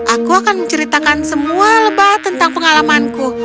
aku akan menceritakan semua lebah tentang pengalamanku